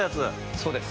そうです。